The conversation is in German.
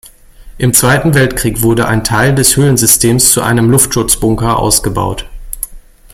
Im Zweiten Weltkrieg wurde ein Teil des Höhlensystems zu einem Luftschutzbunker ausgebaut.